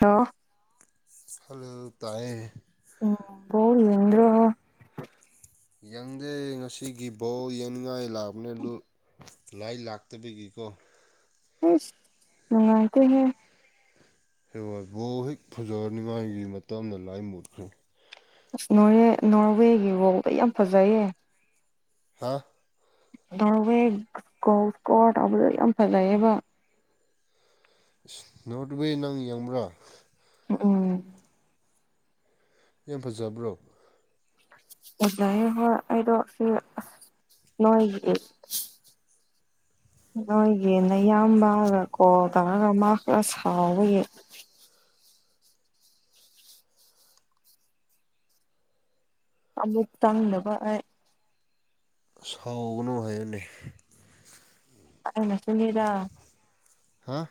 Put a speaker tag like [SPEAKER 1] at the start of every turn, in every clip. [SPEAKER 1] Hello
[SPEAKER 2] hello ꯇꯥꯏꯌꯦ
[SPEAKER 1] ꯎꯝ ꯀꯧꯋꯣ ꯃꯤꯡꯗꯨ
[SPEAKER 2] ꯌꯦꯡꯗꯦ ꯉꯁꯤꯒꯤ ꯕꯣꯜ ꯌꯦꯡꯅꯤꯡꯉꯥꯏ ꯂꯥꯛꯑꯕꯅꯦ ꯑꯗꯨ ꯂꯥꯏꯟ ꯂꯥꯛꯇꯕꯒꯤꯀꯣ
[SPEAKER 1] ꯑꯁ ꯅꯨꯡꯉꯥꯏꯇꯦ ꯍꯦ
[SPEAKER 2] ꯕꯣꯜ ꯍꯦꯛ ꯐꯖꯔꯅꯤ ꯃꯥꯏꯒꯤ ꯃꯇꯝꯗ ꯂꯥꯏꯟ ꯃꯨꯠꯈ꯭ꯔꯦ
[SPEAKER 1] ꯑꯁ ꯅꯣꯔ ꯅꯣꯔꯋꯦꯒꯤ ꯕꯣꯜꯗꯣ ꯌꯥꯝ ꯐꯖꯩꯌꯦ
[SPEAKER 2] ꯍꯥꯥ
[SPEAKER 1] ꯅꯣꯔꯋꯦ ꯒꯣꯜ ꯀꯣꯔ ꯇꯧꯕꯗꯨ ꯌꯥꯝ ꯐꯖꯩꯑꯌꯦꯕ
[SPEAKER 2] ꯅꯣꯠꯋꯦ ꯅꯪ ꯌꯦꯡꯕ꯭ꯔꯥ
[SPEAKER 1] ꯎꯝ
[SPEAKER 2] ꯌꯥꯝ ꯐꯖꯕ꯭ꯔꯣ
[SPEAKER 1] ꯐꯖꯩꯑꯦꯕ ꯑꯩꯗꯣ ꯅꯣꯏꯒꯤ ꯅꯣꯏꯒꯤ ꯅꯌꯥꯝꯕꯅ ꯀꯣꯜ ꯇꯧꯔꯒ ꯃꯥ ꯈꯔ ꯁꯥꯎꯕꯒꯤ ꯑꯃꯨꯛ ꯇꯪꯅꯕ ꯑꯩ
[SPEAKER 2] ꯁꯥꯎꯒꯅꯨ ꯍꯥꯏꯌꯨꯅꯦ
[SPEAKER 1] ꯑꯩꯅ ꯁꯨꯅꯤꯗꯥ
[SPEAKER 2] ꯍꯥ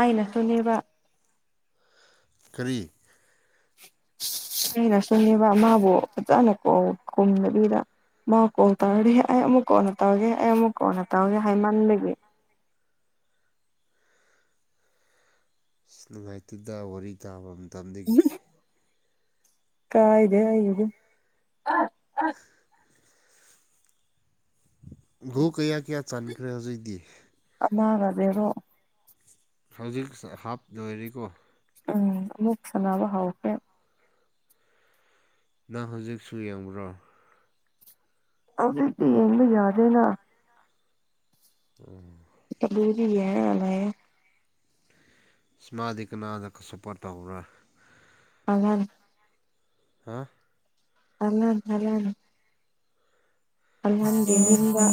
[SPEAKER 1] ꯑꯩꯅ ꯁꯨꯅꯦꯕ
[SPEAKER 2] ꯀꯔꯤ
[SPEAKER 1] ꯑꯩꯅꯁꯨꯅꯦꯕ ꯃꯥꯕꯨ ꯐꯖꯅ ꯀꯧ ꯈꯨꯝꯗꯕꯤꯗ ꯃꯥ ꯀꯣꯜ ꯇꯧꯔꯗꯤ ꯍꯦ ꯑꯩ ꯑꯃꯨꯛ ꯀꯣꯟꯅ ꯇꯧꯔꯒꯦ ꯑꯩ ꯑꯃꯨꯛ ꯀꯣꯟꯅ ꯇꯧꯔꯒꯦ ꯍꯥꯏꯃꯟꯕꯒꯤ
[SPEAKER 2] ꯑꯁ ꯅꯨꯡꯉꯥꯏꯇꯦꯗ ꯋꯥꯔꯤ ꯇꯥꯕ ꯃꯇꯝꯗꯒꯤ
[SPEAKER 1] ꯀꯥꯏꯗꯦ ꯑꯩꯒꯤꯕꯨ
[SPEAKER 2] ꯒꯣꯜ ꯀꯌꯥ ꯀꯌꯥ ꯆꯥꯟꯈ꯭ꯔꯦ ꯍꯧꯖꯤꯇꯤ
[SPEAKER 1] ꯑꯃꯒ ꯖꯦꯔꯣ
[SPEAKER 2] ꯍꯧꯖꯤꯛ ꯍꯥꯞ ꯂꯣꯏꯔꯤꯀꯣ
[SPEAKER 1] ꯎꯝ ꯑꯃꯨꯛ ꯁꯅꯥꯕ ꯍꯧꯈ꯭ꯔꯦ
[SPEAKER 2] ꯅꯪ ꯍꯧꯖꯤꯛꯁꯨ ꯌꯦꯡꯕ꯭ꯔꯣ
[SPEAKER 1] ꯍꯧꯖꯤꯛꯇꯤ ꯌꯦꯡꯕ ꯌꯥꯗꯦꯅ
[SPEAKER 2] ꯎꯝ
[SPEAKER 1] [unintelligible] ꯌꯦꯡꯔꯒ ꯂꯩꯌꯦ
[SPEAKER 2] ꯏꯁ ꯃꯥꯗꯤ ꯀꯅꯒ ꯁꯄꯣꯔꯠ ꯇꯧꯕ꯭ꯔꯥ
[SPEAKER 1] ꯍꯥꯜꯂꯟ
[SPEAKER 2] ꯍꯥꯥ
[SPEAKER 1] ꯍꯜꯂꯟ ꯍꯜꯂꯟ ꯃꯤꯡꯗ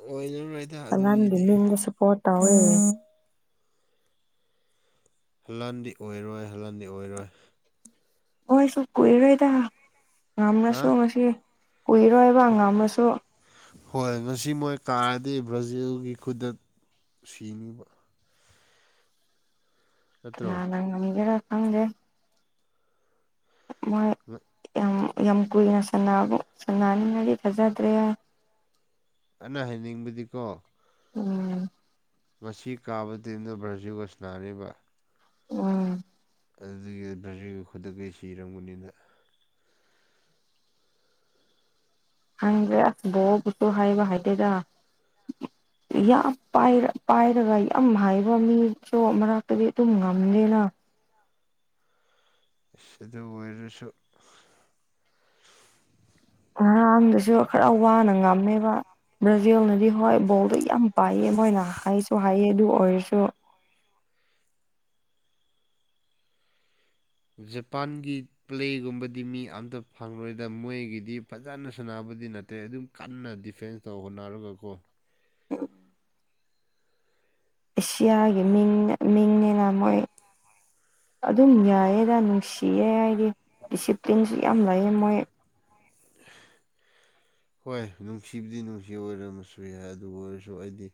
[SPEAKER 2] ꯑꯣꯏꯔꯝꯔꯣꯏꯗ
[SPEAKER 1] ꯍꯂꯥꯟꯒꯤ
[SPEAKER 2] ꯑꯗꯨꯒꯤꯗꯤ
[SPEAKER 1] ꯃꯤꯡꯗ ꯁꯞꯄꯣꯔꯠ ꯇꯧꯋꯦ
[SPEAKER 2] ꯍꯜꯂꯟꯗꯤ ꯑꯣꯏꯔꯣꯏ ꯍꯜꯂꯟꯗꯤ ꯑꯣꯏꯔꯣꯏ
[SPEAKER 1] ꯒꯣꯏꯁꯨ ꯀꯨꯏꯔꯣꯏꯗ
[SPEAKER 2] ꯍꯥ
[SPEAKER 1] ꯉꯝꯔꯁꯨ ꯉꯁꯤ ꯀꯨꯏꯔꯣꯏꯕ ꯉꯝꯃꯁꯨ
[SPEAKER 2] ꯍꯣꯏ ꯉꯁꯤ ꯃꯣꯏ ꯀꯥꯔꯗꯤ ꯕ꯭ꯔꯥꯖꯤꯜꯒꯤ ꯈꯨꯠꯗ ꯁꯤꯅꯤꯕ ꯅꯠꯇ꯭ꯔꯣ
[SPEAKER 1] ꯀꯅꯥꯅ ꯉꯝꯒꯦꯔ ꯈꯪꯗꯦ ꯃꯣꯏ
[SPEAKER 2] [unintelligible]
[SPEAKER 1] ꯌꯥꯝ ꯌꯥꯝ ꯀꯨꯏꯅ ꯁꯅꯥꯕ ꯁꯟꯅꯅꯤꯡꯉꯥꯗꯤ ꯊꯖꯗ꯭ꯔꯦ
[SPEAKER 2] ꯑꯩꯅ ꯍꯥꯏꯅꯤꯡꯕꯗꯤꯀꯣ
[SPEAKER 1] ꯎꯝ
[SPEAKER 2] ꯉꯁꯤ ꯀꯥꯕ ꯇꯤꯝꯗꯣ ꯕ꯭ꯔꯥꯖꯤꯜꯒ ꯁꯅꯥꯅꯤꯕ
[SPEAKER 1] ꯎꯝ
[SPEAKER 2] ꯑꯗꯨꯗꯒꯤ ꯕ꯭ꯔꯖꯤꯜ ꯈꯨꯗꯗꯤ ꯁꯤꯔꯝꯒꯅꯤꯗ
[SPEAKER 1] ꯈꯪꯗꯦ ꯑꯁ ꯕꯣꯕꯨꯁꯨ ꯍꯥꯏꯕ ꯍꯩꯗꯦꯗ ꯌꯥꯝ ꯄꯥꯏꯔ ꯄꯥꯏꯔꯒ ꯌꯥꯝ ꯍꯥꯏꯕ ꯃꯤꯁꯨ ꯃꯔꯥꯛꯇꯒꯤ ꯑꯗꯨꯝ ꯉꯝꯗꯦꯅ
[SPEAKER 2] ꯏꯁ ꯑꯗꯨ ꯑꯣꯏꯔꯁꯨ
[SPEAKER 1] ꯉꯔꯥꯡꯗꯨꯁꯨ ꯈꯔ ꯋꯥꯅ ꯉꯝꯃꯦꯕ ꯕ꯭ꯔꯥꯖꯤꯜꯅꯗꯤ ꯍꯣꯏ ꯕꯣꯜꯗꯣ ꯌꯥꯝ ꯄꯥꯏꯌꯦ ꯃꯣꯏꯅ ꯍꯩꯁꯨ ꯍꯩꯌꯦ ꯑꯗꯨ ꯑꯣꯏꯔꯁꯨ
[SPEAKER 2] ꯖꯄꯥꯟꯒꯤ ꯄ꯭ꯂꯦꯒꯨꯝꯕꯗꯤ ꯃꯤ ꯑꯝꯇ ꯐꯪꯂꯣꯏꯗ ꯃꯣꯏꯒꯤꯗꯤ ꯐꯖꯅ ꯁꯥꯟꯅꯕꯗꯤ ꯅꯠ ꯇꯦ ꯑꯗꯨꯝ ꯀꯟꯅ ꯗꯤꯐꯦꯟꯁ ꯇꯧ ꯍꯣꯠꯅꯔꯒꯀꯣ
[SPEAKER 1] ꯑꯦꯁꯤꯌꯥꯒꯤ ꯃꯤꯡ ꯃꯤꯡꯅꯤꯅ ꯃꯣꯏ ꯑꯗꯨꯝ ꯌꯥꯏꯌꯦꯗ ꯅꯨꯡꯁꯤꯌꯦ ꯑꯩꯗꯤ ꯗꯤꯁꯤꯄ꯭ꯂꯤꯟꯁꯨ ꯌꯥꯝ ꯂꯩꯌꯦ ꯃꯣꯏ [inaudible]
[SPEAKER 2] ꯍꯣꯏ ꯅꯨꯡꯁꯤꯕꯗꯤ ꯅꯨꯡꯁꯤ ꯑꯣꯏꯔꯝꯃꯁꯨ ꯌꯥꯏ ꯑꯗꯨ ꯑꯣꯏꯔꯁꯨ ꯑꯩꯗꯤ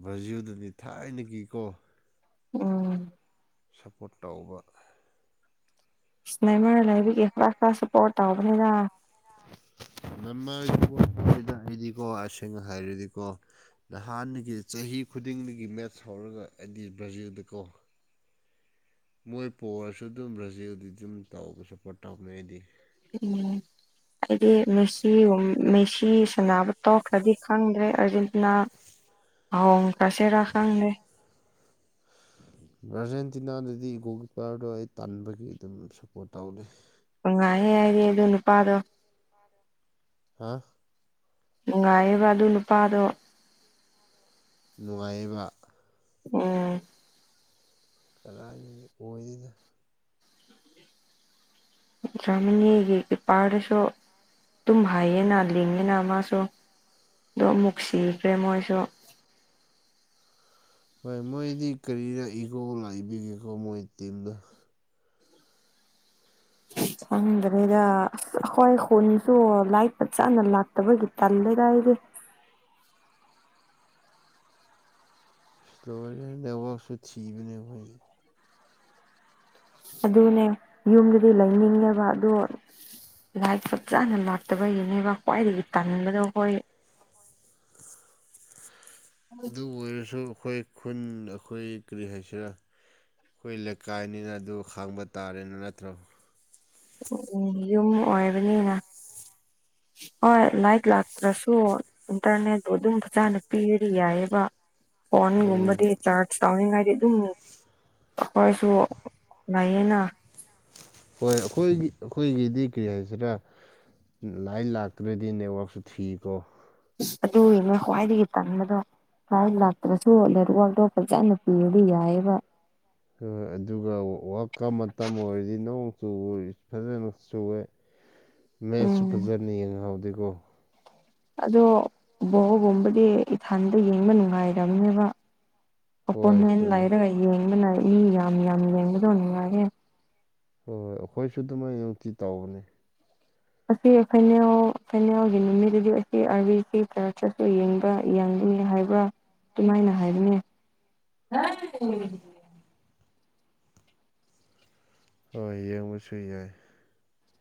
[SPEAKER 2] ꯚ꯭ꯔꯖꯤꯜꯗꯨꯗꯤ ꯊꯥꯏꯅꯒꯤꯀꯣ
[SPEAKER 1] ꯎꯝ
[SPEAKER 2] ꯁꯞꯄꯣꯔꯠ ꯇꯧꯕ
[SPEAKER 1] ꯏꯁ ꯂꯩꯃꯔ ꯂꯩꯕꯤꯒꯤ ꯈꯔ ꯈꯔ ꯁꯞꯄꯣꯔꯠ ꯇꯧꯕꯅꯤꯗ
[SPEAKER 2] ꯅꯥꯃꯥꯏ ꯑꯩꯗꯤꯀꯣ ꯑꯁꯦꯡꯅ ꯍꯥꯏꯔꯗꯤꯀꯣ ꯅꯍꯥꯟꯗꯒꯤ ꯆꯍꯤ ꯈꯨꯗꯤꯡꯗꯒꯤ ꯃꯦꯠꯁ ꯍꯧꯔꯒ ꯑꯩꯗꯤ ꯕ꯭ꯔꯥꯖꯤꯜꯗ ꯀꯣ ꯃꯣꯏ ꯄꯣꯔꯁꯨ ꯑꯗꯨꯝ ꯕ꯭ꯔꯥꯖꯤꯜꯗꯤ ꯑꯗꯨꯝ ꯇꯧꯕ ꯁꯄꯣꯔꯠ ꯇꯧꯕꯅꯦ ꯑꯩꯗꯤ
[SPEAKER 1] ꯎꯝ ꯑꯩꯗꯤ ꯃꯦꯁꯤ ꯒꯨꯝ ꯃꯦꯁꯤ ꯁꯅꯕ ꯇꯧꯈ꯭ꯔꯗꯤ ꯈꯪꯗ꯭ꯔꯦ ꯑꯥꯔꯖꯦꯟꯇꯤꯅꯥ ꯍꯣꯡꯈꯔꯥꯁꯤꯔꯥ ꯈꯪꯗꯦ
[SPEAKER 2] ꯑꯥꯔꯖꯦꯟꯇꯤꯅꯥꯗꯗꯤ ꯒꯣꯜ ꯀꯤꯞꯄꯔꯗꯣ ꯑꯩ ꯇꯟꯕꯒꯤ ꯑꯗꯨꯝ ꯁꯞꯄꯣꯔꯠ ꯇꯧꯗꯦ
[SPEAKER 1] ꯅꯨꯡꯉꯥꯏꯍꯦ ꯑꯩꯗꯤ ꯑꯗꯨ ꯅꯨꯄꯥꯗꯣ
[SPEAKER 2] ꯍꯥꯥ
[SPEAKER 1] ꯅꯨꯡꯉꯥꯏꯌꯦꯕ ꯑꯗꯨ ꯅꯨꯄꯥꯗꯣ
[SPEAKER 2] ꯅꯨꯡꯉꯥꯏꯌꯦꯕꯥ
[SPEAKER 1] ꯎꯝ
[SPEAKER 2] ꯀꯗꯥꯏꯗꯒꯤ ꯑꯣꯌꯦꯗꯥ
[SPEAKER 1] ꯖ꯭ꯔꯃꯅꯤꯒꯤ ꯀꯤꯄꯥꯔꯗꯨꯁꯨ ꯇꯨꯝ ꯍꯩꯌꯦꯅ ꯂꯤꯡꯉꯦꯅ ꯃꯥꯁꯨ ꯗꯣ ꯃꯨꯛ ꯁꯤꯈ꯭ꯔꯦ ꯃꯣꯏꯁꯨ
[SPEAKER 2] ꯍꯣꯏ ꯃꯣꯏꯗꯤ ꯀꯔꯤꯔꯥ ꯏꯒꯣ ꯂꯥꯏꯕꯒꯤꯀꯣ ꯃꯣꯏ ꯇꯤꯝꯗꯣ
[SPEAKER 1] ꯈꯪꯗꯔꯦꯗꯥ ꯑꯩꯈꯣꯏ ꯈꯨꯟꯁꯨ ꯂꯥꯏ ꯐꯖꯥꯅ ꯂꯥꯛꯇꯕꯒꯤ ꯇꯜꯂꯦꯗꯥ ꯑꯩꯗꯤ
[SPEAKER 2] ꯏꯁ ꯂꯣꯏꯔꯦ ꯅꯦꯠꯋꯥꯛꯁꯨ ꯊꯤꯕꯅꯦ ꯑꯩꯈꯣꯏꯗꯤ
[SPEAKER 1] ꯑꯗꯨꯅꯦ ꯌꯨꯝꯗꯨꯗꯤ ꯂꯩꯅꯤꯡꯉꯦꯕ ꯑꯗꯨ ꯂꯥꯏ ꯐꯆꯥꯅꯥ ꯂꯥꯠꯇꯕꯒꯤꯅꯦꯕꯥ ꯈꯋꯥꯏꯗꯒꯤ ꯇꯟꯕꯗꯨ ꯑꯈꯣꯏ
[SPEAKER 2] ꯑꯗꯨ ꯑꯣꯏꯔꯁꯨ ꯑꯈꯣꯏ ꯈꯨꯟ ꯑꯈꯣꯏ ꯀꯔꯤ ꯍꯥꯏꯁꯤꯔꯥ ꯑꯩꯈꯣꯏ ꯂꯩꯀꯥꯏꯅꯤꯅ ꯑꯗꯨ ꯈꯥꯡꯕ ꯇꯥꯔꯦ ꯅꯠꯇ꯭ꯔꯣ
[SPEAKER 1] ꯎ ꯎꯝ ꯌꯨꯝ ꯑꯣꯏꯕꯅꯤꯅ ꯍꯣꯏ ꯂꯥꯏꯛ ꯂꯥꯛꯇ꯭ꯔꯁꯨ ꯏꯟꯇꯔꯅꯦꯠꯄꯨ ꯑꯗꯨꯝ ꯐꯖꯅ ꯄꯤꯔꯗꯤ ꯌꯥꯏꯌꯦꯕ
[SPEAKER 2] ꯎꯝ
[SPEAKER 1] ꯐꯣꯟꯒꯨꯝꯕꯗꯤ ꯆꯥꯔꯖ ꯇꯧꯅꯤꯡꯉꯥꯏꯗꯤ ꯑꯗꯨꯝ ꯑꯩꯈꯣꯏꯁꯨ ꯂꯩꯥꯌꯦꯅ
[SPEAKER 2] ꯍꯣꯏ ꯑꯩꯈꯣꯏꯒꯤ ꯑꯩꯈꯣꯏꯒꯤꯗꯤ ꯀꯔꯤ ꯍꯥꯏꯁꯤꯔꯥ ꯂꯥꯏꯟ ꯂꯥꯛꯇ꯭ꯔꯗꯤ ꯅꯦꯠꯋꯥꯛꯁꯨ ꯊꯤꯀꯣ
[SPEAKER 1] ꯏꯁ ꯑꯗꯨꯒꯤꯅꯦ ꯈ꯭ꯋꯥꯏꯗꯒꯤ ꯇꯟꯕꯗꯣ ꯂꯥꯏꯟ ꯂꯥꯛꯇ꯭ꯔꯁꯨ ꯅꯦꯠꯋꯥꯛꯇꯣ ꯐꯖꯅ ꯄꯤꯔꯗꯤ ꯌꯥꯏꯌꯦꯕ
[SPEAKER 2] ꯍꯥ ꯑꯗꯨꯒ ꯋꯥꯜꯀꯞ ꯃꯇꯝ ꯑꯣꯏꯔꯗꯤ ꯅꯣꯡ ꯆꯨꯏ ꯐꯖꯅ ꯆꯨꯋꯦ ꯃꯦꯠꯁꯨ ꯐꯖꯅ ꯌꯦꯡꯉꯍꯧꯗꯦꯀꯣ
[SPEAKER 1] ꯑꯗꯣ ꯕꯣꯜꯒꯨꯝꯕꯗꯤ ꯏꯊꯥꯟꯇ ꯌꯦꯡꯕ ꯅꯨꯡꯉꯥꯏꯇꯕꯅꯦꯕ
[SPEAKER 2] ꯍꯣꯏ
[SPEAKER 1] ꯑꯣꯄꯣꯅꯦꯟ
[SPEAKER 2] ꯆꯨꯝꯃꯦ
[SPEAKER 1] ꯂꯩꯔꯒ ꯌꯦꯡꯕꯅ ꯃꯤ ꯌꯥꯝ ꯌꯥꯝ ꯌꯦꯡꯕꯗꯣ ꯅꯨꯡꯉꯥꯏꯌꯦ
[SPEAKER 2] ꯍꯣꯏ ꯍꯣꯏ ꯑꯩꯈꯣꯏꯁꯨ ꯑꯗꯨꯃꯥꯏꯅ ꯅꯨꯡꯇꯤ ꯇꯧꯕꯅꯦ
[SPEAKER 1] ꯑꯁꯤ ꯐꯩꯅꯦꯜ ꯐꯩꯅꯦꯜꯒꯤ ꯅꯨꯃꯤꯠꯗꯗꯤ ꯑꯁꯤ ꯑꯥꯔꯕꯤ ꯁꯤ ꯀꯔꯁꯨ ꯌꯦꯡꯉꯤ ꯌꯥꯡꯒꯤꯅꯤ ꯍꯥꯏꯕ꯭ꯔꯥ ꯑꯗꯨꯃꯥꯏꯅ ꯍꯥꯏꯕꯅꯦ
[SPEAKER 2] ꯍꯣꯏ ꯌꯦꯡꯕꯁꯨ ꯌꯥꯏ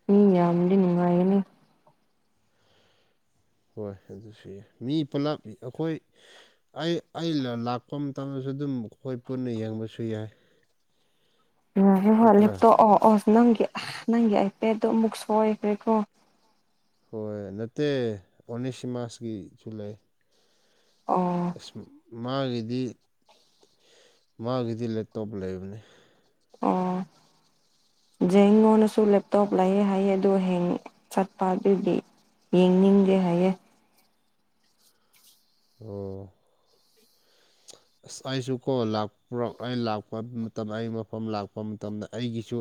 [SPEAKER 1] ꯃꯤ ꯌꯥꯝꯃꯗꯤ ꯅꯨꯡꯉꯥꯏꯒꯅꯤ
[SPEAKER 2] ꯍꯣꯏ ꯑꯗꯨꯁꯨ ꯌꯥꯏ ꯃꯤ ꯄꯨꯂꯞ ꯑꯩꯈꯣꯏ ꯑꯩ ꯑꯩꯅ ꯂꯥꯛꯄ ꯃꯇꯝꯗꯁꯨ ꯑꯗꯨꯝ ꯈꯣꯏ ꯄꯨꯟꯅ ꯌꯦꯡꯕꯁꯨ ꯌꯥꯏ
[SPEAKER 1] [unintelligible]
[SPEAKER 2] ꯅꯠꯇ꯭ꯔꯥ
[SPEAKER 1] ꯂꯦꯞꯇꯣꯞ ꯑꯣ ꯑꯣꯁ ꯅꯪꯒꯤ ꯑꯥ ꯅꯪꯒꯤ ꯑꯥꯏꯄꯦꯠꯗꯣ ꯃꯨꯛ ꯁꯣꯏꯈ꯭ꯔꯦꯀꯣ
[SPEAKER 2] [unintelligible] ꯍꯣꯏ ꯅꯠꯇꯦ ꯑꯣꯅꯤꯁꯤ ꯃꯥꯁꯒꯤꯁꯨ ꯂꯩ
[SPEAKER 1] ꯑꯣ
[SPEAKER 2] ꯁꯨꯝ ꯃꯥꯒꯤꯗꯤ ꯃꯥꯒꯤꯗꯤ ꯂꯦꯞꯇꯣꯞ ꯂꯩꯕꯅꯤ
[SPEAKER 1] ꯑꯣ ꯖꯦꯡꯉꯣꯟꯅꯁꯨ ꯂꯦꯞꯇꯣꯞ ꯂꯩꯌꯦ ꯍꯥꯏꯌꯦ ꯑꯗꯨ ꯍꯌ‌ꯦꯡ ꯆꯠꯄ ꯑꯗꯨꯒꯤ ꯌꯦꯡꯅꯤꯡꯗꯦ ꯍꯥꯏꯌꯦ
[SPEAKER 2] ꯑꯣ ꯑꯁ ꯑꯩꯁꯨ ꯀꯣ ꯂꯥꯛꯄ꯭‌ꯔ‌ꯣ ꯑꯩ ꯂꯥꯛꯄ ꯃꯇꯝ ꯑꯩ ꯃꯐꯝ ꯂꯥꯛꯄ ꯃꯇꯝꯗ ꯑꯩꯒꯤꯁꯨ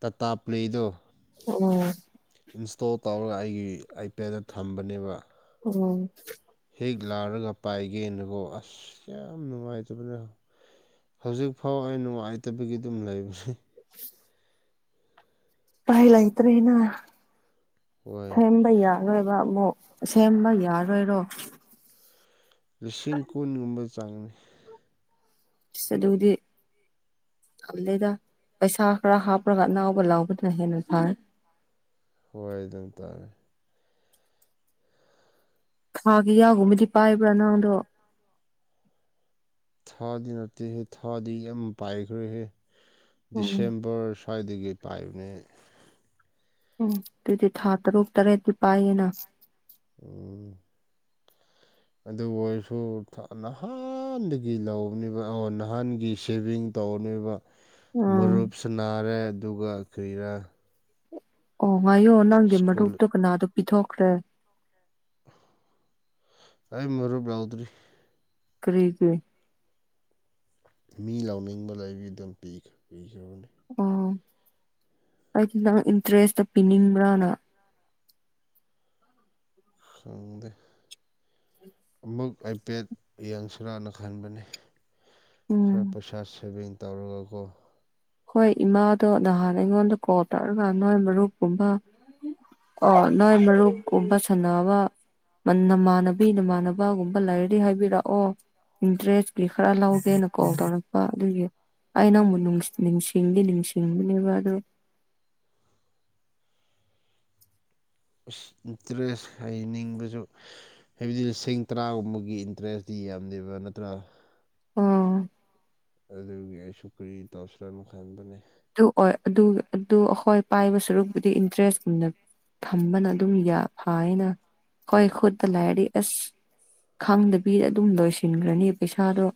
[SPEAKER 2] ꯇꯥꯇꯥꯄ꯭ꯂꯦꯗꯣ
[SPEAKER 1] ꯎꯝ
[SPEAKER 2] ꯏꯟꯁꯇꯣꯜ ꯇꯧꯔꯒ ꯑꯩꯒꯤ ꯑꯥꯏꯄꯦꯠꯗ ꯊꯝꯕꯅꯦꯕ
[SPEAKER 1] ꯎꯝ
[SPEAKER 2] ꯍꯦꯛ ꯂꯥꯛꯔꯒ ꯄꯥꯏꯒꯦꯅꯀꯣ ꯑꯁ ꯌꯥꯝ ꯅꯨꯡꯉꯥꯏꯇꯕꯅ ꯍꯧꯖꯤꯛꯐꯥꯎ ꯑꯩ ꯅꯨꯡꯉꯥꯏꯇꯕꯒꯤ ꯑꯗꯨꯝ ꯂꯩꯕ [unintelligible]
[SPEAKER 1] ꯄꯥꯏ ꯂꯥꯏꯇ꯭ꯔꯦꯅ [unintelligible]
[SPEAKER 2] ꯍꯣꯏ
[SPEAKER 1] [unintelligible] ꯌꯥꯔꯣꯏꯕ ꯑꯃꯨꯛ ꯑꯁꯦꯝꯕ ꯌꯥꯔꯣꯏꯔꯣ
[SPEAKER 2] ꯂꯤꯁꯤꯡ ꯀꯨꯟꯒꯨꯝꯕ ꯆꯪꯅꯤ
[SPEAKER 1] ꯏꯁ ꯑꯗꯨꯗꯤ [unintelligible] ꯗ‌ꯦꯗ ꯄꯩꯁꯥ ꯈꯔ ꯍꯥꯞꯔꯒ ꯑꯅꯧꯕ ꯂꯥꯎꯕꯅ ꯍꯦꯟꯅ ꯐꯥꯏ
[SPEAKER 2] [unintelligible] ꯗꯨꯝ ꯇꯥꯔꯦ
[SPEAKER 1] ꯊꯥꯒꯤ ꯌꯥꯒꯨꯝꯕꯗꯤ ꯄꯥꯏꯕ꯭ꯔꯥ ꯅꯪꯗꯣ
[SPEAKER 2] ꯊꯥꯒꯤ ꯅꯠꯇꯦꯍꯦ ꯊꯥꯗꯤ ꯌꯥꯝ ꯄꯥꯏꯈ꯭ꯔꯦꯍꯦ
[SPEAKER 1] ꯎꯝ
[SPEAKER 2] ꯗꯤꯁꯦꯝꯕꯔ ꯁ꯭ꯋꯥꯏꯗꯒꯤ ꯄꯥꯏꯕꯅ‌ꯦ
[SPEAKER 1] ꯎꯝ ꯑꯗꯨꯗꯤ ꯊꯥ ꯇꯔꯨꯛ ꯇꯔꯦꯠꯇꯤ ꯄꯥꯏꯌꯦꯅ
[SPEAKER 2] ꯎꯝ ꯑꯗꯨ ꯑꯣꯏꯔꯁꯨ ꯊꯥ ꯅꯍꯥꯟꯗꯒꯤ ꯂꯧꯅꯦꯕ ꯑꯣ ꯅꯍꯥꯟꯒꯤ ꯁꯦꯚꯤꯡ ꯇꯧꯅꯦꯕ
[SPEAKER 1] ꯎꯝ
[SPEAKER 2] ꯃꯔꯨꯞꯁꯨ ꯅꯥꯔꯦ ꯗꯨꯒ ꯀ꯭ꯔꯤꯔꯥ
[SPEAKER 1] ꯑꯣ ꯉꯥꯏꯌꯣ ꯅꯪꯒꯤ
[SPEAKER 2] ꯁ꯭ꯀꯨꯜ
[SPEAKER 1] ꯃꯔꯨꯞꯇꯣ ꯀꯅꯥꯗ ꯄꯤꯊꯣꯛꯈ꯭ꯔꯦ
[SPEAKER 2] ꯑꯩ ꯃꯔꯨꯞ ꯌꯥꯎꯗꯔꯤ
[SPEAKER 1] ꯀꯔꯤꯒꯤ
[SPEAKER 2] ꯃꯤ ꯂꯥꯎꯅꯤꯡꯕ ꯂꯩꯕꯩ ꯗꯨꯝ ꯄꯤꯈ ꯄꯤꯈ꯭ꯔꯕꯅꯤ
[SPEAKER 1] ꯑꯥ ꯑꯩꯗꯤ ꯅꯪ ꯏꯟꯇꯔꯦꯁꯇ‌ꯣ ꯄꯤꯅꯤꯡꯕ꯭ꯔꯅ
[SPEAKER 2] ꯈꯪꯗꯦ ꯑꯃꯨꯛ ꯑꯥꯏꯄꯦꯠ ꯌꯦꯡꯁꯤꯔꯅ ꯈꯟꯕꯅꯤ
[SPEAKER 1] ꯎꯝ
[SPEAKER 2] ꯈꯔ ꯄꯩꯁꯥ ꯁꯦꯚꯤꯡ ꯇꯧꯔꯒꯀꯣ
[SPEAKER 1] ꯈ‌ꯣꯏ ꯏꯃꯥꯗꯣ ꯅꯍꯥꯟ ꯑꯩꯉꯣꯟꯗ ꯀꯣꯜ ꯇꯧꯔꯒ ꯅꯣꯏ ꯃꯔꯨꯞꯀꯨꯝꯕ ꯑꯣ ꯅꯣꯏ ꯃꯔꯨꯞꯀꯨꯝꯕ ꯁꯥꯟꯅꯕ ꯃ ꯅꯃꯥꯟꯅꯕꯤ ꯅꯃꯥꯟꯅꯕꯒꯨꯝꯕ ꯂꯩꯔꯗꯤ ꯍꯥꯏꯕꯤꯔꯑꯣ ꯏꯟꯇꯔꯦꯁꯀꯤ ꯈꯔ ꯂꯧꯒꯦꯅ ꯀꯣꯜ ꯇꯧꯔꯛꯄ ꯑꯗꯨꯒꯤ ꯑꯩ ꯅꯪꯕꯨ ꯅꯨꯡꯁ ꯅꯤꯡꯁꯤꯡꯗꯤ ꯅꯤꯡꯁꯤꯡꯕꯅꯦꯕ ꯑꯗꯣ
[SPEAKER 2] ꯑꯁ ꯏꯟꯇ꯭ꯔꯦꯁ ꯍꯩꯅꯤꯡꯕꯁꯨ ꯍꯥꯏꯕꯗꯤ ꯂꯤꯁꯤꯡ ꯇꯔꯥꯒꯨꯝꯕꯒꯤ ꯏꯟꯇ꯭ꯔꯦꯁꯇꯤ ꯌꯥꯝꯗꯦꯕ ꯅꯠꯇ꯭ꯔꯥ꯫
[SPEAKER 1] ꯑꯣ
[SPEAKER 2] ꯑꯗꯨꯒꯤ ꯑꯩꯁꯨ ꯀ꯭ꯔꯤ ꯇꯧꯁꯤꯔꯥ ꯑꯃ ꯈꯟꯕꯅꯦ꯫
[SPEAKER 1] ꯑꯗꯨ ꯑꯣꯏ ꯑꯗꯨ ꯑꯗꯨ ꯑꯍꯣꯏ ꯄꯥꯏꯕ ꯁꯔꯨꯛꯄꯨꯗꯤ ꯏꯟꯇ꯭ꯔꯦꯁꯅ ꯊꯝꯕꯅ ꯑꯗꯨꯝ ꯌꯥ ꯐꯥꯏꯅ ꯍꯣꯏ ꯈꯨꯠꯇ ꯂꯥꯩꯔꯗꯤ ꯑꯁ꯫ ꯈꯪꯗꯕꯤꯗ ꯑꯗꯨꯝ ꯂꯣꯏꯁꯤꯟꯈ꯭ꯔꯅꯤ ꯄꯩꯁꯥꯗꯣ꯫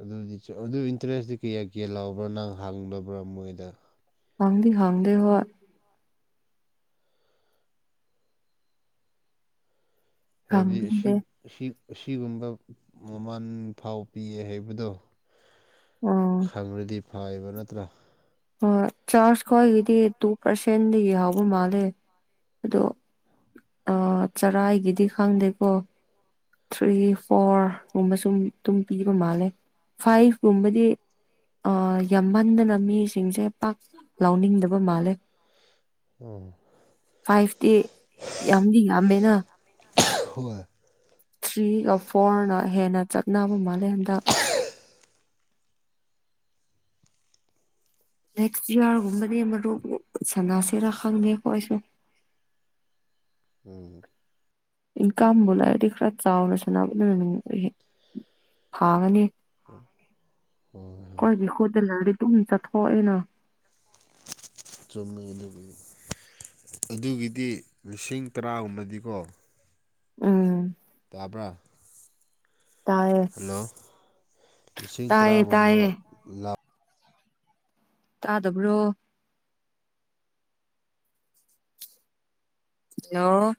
[SPEAKER 2] ꯑꯗꯨꯁꯨ ꯑꯗꯨ ꯏꯟꯇ꯭ꯔꯦꯁꯇꯤ ꯀꯌꯥ-ꯀꯌꯥ ꯂꯥꯎꯕ꯭ꯔꯥ ꯅꯪ ꯍꯥꯡꯗꯕ꯭ꯔꯥ ꯃꯣꯏꯗ꯫
[SPEAKER 1] ꯍꯪꯗꯤ ꯍꯪꯗꯦ ꯍꫭꯏ꯫
[SPEAKER 2] ꯍꯥꯏꯕꯗꯤ ꯑꯁꯤ
[SPEAKER 1] ꯍꯥꯡꯕꯤꯗꯦ
[SPEAKER 2] ꯑꯁꯤ ꯑꯁꯤꯒꯨꯝꯕ ꯃꯃꯟ ꯐꯥꯎ ꯄꯤꯌꯦ ꯍꯥꯏꯕꯗꯣ꯫
[SPEAKER 1] ꯑꯣ
[SPEAKER 2] ꯈꯪꯔꯗꯤ ꯐꯥꯑꯦꯕ ꯅꯠꯇ꯭ꯔꯥ꯫
[SPEAKER 1] ꯍꯣꯏ ꯆꯥꯔꯖ ꯈꫭꯏꯒꯤꯗꯤ ꯇꯨ ꯄꯥꯔꯁꯦꯟꯗꯒꯤ ꯍꯧꯕ ꯃꯥꯜꯂꯦ ꯑꯗꯣ꯫ ꯑ ꯆꯔꯥꯥꯏꯒꯤꯗꯤ ꯈꯪꯗꯦꯀꯣ꯫ ꯊ꯭ꯔꯤ ꯐꯣꯔꯒꯨꯝꯕ ꯁꯨꯝ ꯑꯗꯨꯝ ꯄꯤꯕ ꯃꯥꯜꯂꯦ꯫ ꯐꯥꯏꯚ ꯀꯨꯝꯕꯗꯤ ꯑ ꯌꯥꯝꯃꯟꯗꯅ ꯃꯤꯁꯤꯡꯁꯦ ꯄꯥꯛ ꯂꯧꯅꯤꯡꯗꯕ ꯃꯥꯜꯂꯦ꯫
[SPEAKER 2] ꯎꯝ
[SPEAKER 1] ꯐꯥꯏꯚꯇꯤ ꯌꯥꯝꯗꯤ ꯌꯥꯝꯃꯦꯅ꯫
[SPEAKER 2] [unintelligible]
[SPEAKER 1] ꯊ꯭ꯔꯤꯒ ꯐꯣꯔꯅ ꯍꯦꯟꯅ ꯆꯠꯅꯕ ꯃꯥꯜꯂꯦ ꯍꯟꯗꯛ꯫ ꯅꯦꯛꯁ ꯏꯌꯔꯒꯨꯝꯕꯗꯤ ꯃꯔꯨꯞ ꯁꯥꯟꯅꯁꯤꯔꯥ ꯈꯪꯗꯦ ꯑꯈꯣꯏꯁꯨ
[SPEAKER 2] ꯎꯝ
[SPEAKER 1] ꯏꯟꯀꯝꯕꯨ ꯂꯩꯔꯗꯤ ꯈꯔ ꯆꯥꯎꯅ ꯁꯥꯟꯅꯕꯗꯨꯅ ꯍꯦ ꯐꯥꯒꯅꯤ꯫
[SPEAKER 2] ꯍꯣꯏ ꯍꯣꯏ
[SPEAKER 1] ꯏꯈꯨꯠꯗ ꯂꯩꯔꯗꯤ ꯗꯨꯝ ꯆꯠꯊꯣꯛꯏꯅꯥ꯫
[SPEAKER 2] ꯆꯨꯝꯃꯦ ꯑꯗꯨꯒꯤ ꯑꯗꯨꯒꯤꯗꯤ ꯂꯤꯁꯤꯡ ꯇꯔꯥꯒꯨꯝꯕꯗꯤꯀꯣ
[SPEAKER 1] ꯎꯝ
[SPEAKER 2] ꯇꯥꯕ꯭ꯔꯥ꯫
[SPEAKER 1] ꯇꯥꯏꯌꯦ
[SPEAKER 2] ꯍꯜꯂꯣ ꯂꯤꯁꯤꯡ
[SPEAKER 1] ꯇꯥꯏꯌꯦ
[SPEAKER 2] ꯇꯔꯥꯒꯨꯝꯕ
[SPEAKER 1] ꯇꯥꯏꯌꯦ
[SPEAKER 2] ꯂꯥꯛ
[SPEAKER 1] ꯇꯥꯗꯕ꯭ꯔꯣ꯫ ꯍꯜꯂꫭ꯫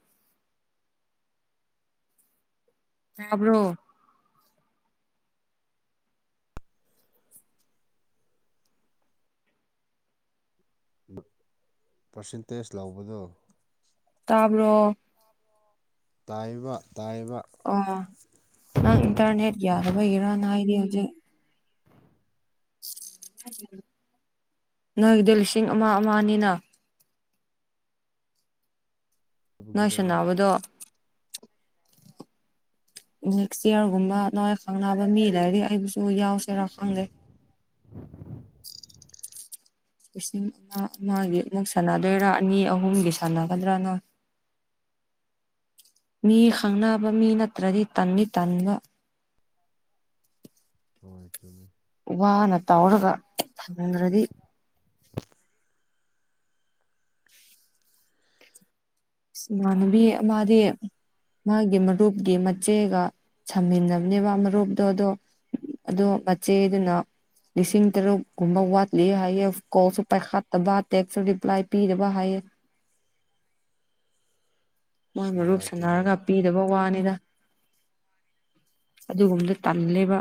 [SPEAKER 1] ꯇꯥꯕ꯭ꯔꯣ꯫
[SPEAKER 2] ꯄꯔꯁꯦꯟꯇꯦꯖ ꯂꯧꯕꯗꯣ꯫
[SPEAKER 1] ꯇꯥꯕ꯭ꯔꯣ꯫
[SPEAKER 2] ꯇꯥꯏꯕ ꯇꯥꯏꯕ꯫
[SPEAKER 1] ꯑꯣ ꯅꯪ ꯏꯟꯇꯔꯅꯦꯠ ꯌꯥꯗꯕꯒꯤꯔ ꯅ ꯍꯥꯏꯗꯤ ꯍꯧꯖꯤꯛ꯫ ꯅꯣꯏꯒꯤꯗꯣ ꯂꯤꯁꯤꯡ ꯑꯃ ꯑꯃꯅꯤꯅ꯫ ꯅꯣꯏ
[SPEAKER 2] ꯕꯒꯤꯔꯣ ꯅꯪ
[SPEAKER 1] ꯁꯅꯥꯕꯗꯣ꯫ ꯅꯦꯛꯁ ꯏꯌꯥꯔꯒꯨꯝꯕ ꯅꫭꯏ ꯈꯪꯅꯕ ꯃꯤ ꯂꯩꯔꯗꯤ ꯑꯩꯕꯨꯁꯨ ꯌꯥꯎꯁꯦꯔꯥ ꯈꯪꯗꯦ꯫ ꯂꯤꯁꯤꯡ ꯑꯃ ꯑꯃꯒꯤ ꯑꯃꯨꯛ ꯁꯥꯟꯅꯗꯣꯏꯔꯥ ꯑꯅꯤ ꯑꯍꯨꯝꯒꯤ ꯁꯥꯟꯅꯒꯗ꯭ꯔ ꯅꯪ꯫ ꯃꯤ ꯈꯪꯅꯕ ꯃꯤ ꯅꯠꯇ꯭ꯔꯗꯤ ꯇꯟꯗꯤ ꯇꯟꯕ꯫
[SPEAKER 2] [inaudible]
[SPEAKER 1] ꯋꯥꯅ ꯇꯧꯔꯒ ꯐꯪꯗ꯭ꯔꯗꯤ ꯏꯃꯥꯟꯅꯕꯤ ꯑꯃꯗꯤ ꯃꯥꯒꯤ ꯃꯔꯨꯞꯀꯤ ꯃꯆꯦꯒ ꯁꯝꯃꯤꯟꯅꯕꯅꯦꯕ ꯃꯔꯨꯞꯗꯣ ꯑꯗꯣ ꯑꯗꯣ ꯃꯆꯦꯗꯨꯅ ꯂꯤꯁꯤꯡ ꯇꯔꯨꯛꯀꯨꯝꯕ ꯋꯥꯠꯂꯤ ꯍꯥꯏꯌꯦ ꯀꯣꯜꯁꯨ ꯄꯥꯏꯈꯠꯇꯕ ꯇꯦꯛꯁꯁꯨ ꯔꯤꯄ꯭ꯂꯥꯏ ꯄꯤꯗꯕ ꯍꯥꯏꯌꯦ꯫ ꯃꯣꯏ
[SPEAKER 2] ꯑꯁ
[SPEAKER 1] ꯃꯔꯨꯞ
[SPEAKER 2] ꯅꯨꯡꯉꯥꯏꯇꯦꯍꯦ
[SPEAKER 1] ꯁꯥꯟꯅꯔꯒ ꯄꯤꯗꯕ ꯋꯥꯅꯤꯗ ꯑꯗꯨꯒꯨꯝꯕꯗꯣ ꯇꯜꯂꯦꯕ